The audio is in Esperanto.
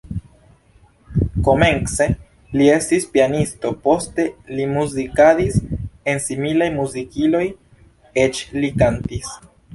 Komence li estis pianisto, poste li muzikadis en similaj muzikiloj, eĉ li kantis.